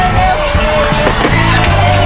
เร็วเร็วเร็ว